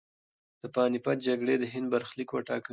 د پاني پت جګړې د هند برخلیک وټاکه.